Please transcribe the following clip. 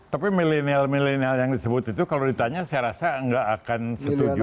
tapi milenial milenial yang disebut itu kalau ditanya saya rasa nggak akan setuju